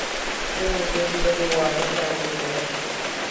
ځینې ډېر لېري واړه شیان لیدلای شي.